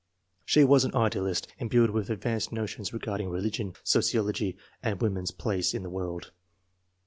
She was an idealist, imbued with advanced notions regarding religion, sociology, and woman's place in the world.